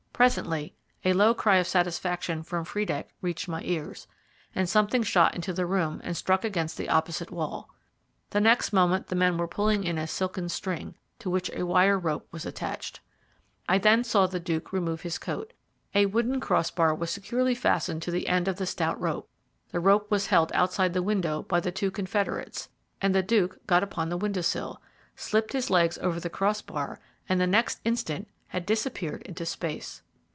Presently a low cry of satisfaction from Friedeck reached my ears; something shot into the room and struck against the opposite wall. The next moment the men were pulling in a silken string, to which a wire rope was attached. I then saw the Duke remove his coat. A wooden crossbar was securely fastened to the end of the stout rope, the rope was held outside the window by the two confederates, and the Duke got upon the window sill, slipped his legs over the crossbar, and the next instant had disappeared into space.